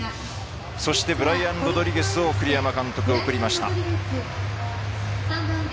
そしてブライアン・ロドリゲスを栗山監督送りました。